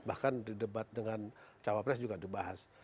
bahkan di debat dengan cawapres juga dibahas